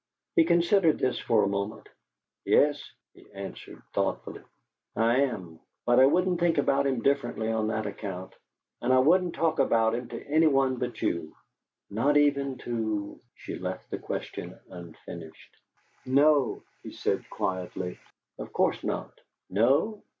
He considered this for a moment. "Yes," he answered, thoughtfully, "I am. But I wouldn't think about him differently on that account. And I wouldn't talk about him to any one but you." "Not even to " She left the question unfinished. "No," he said, quietly. "Of course not." "No?